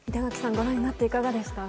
ご覧になっていかがでした？